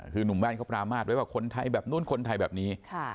คือหนุ่มแว่นเขาปรามาทไว้ว่าคนไทยแบบนู้นคนไทยแบบนี้